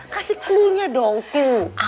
kasih klunya dong klu